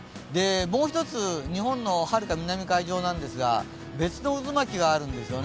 もう１つ、日本のはるか南海上なんですが、別の渦巻きがあるんですよね。